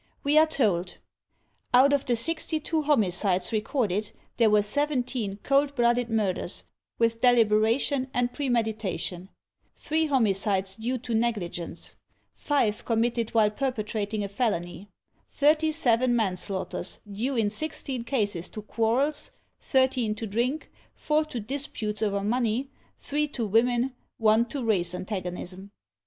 We are told, "Out of the sixty two homicides re corded, there were seventeen cold blooded murders, with deliberation and premeditation; three homicides due to negligence; five committed while perpetrating a felony; thirty seven manslaughters, due in sixteen cases to quarrels, thirteen to drink, four to disputes over money, three to women, one to race antagonism."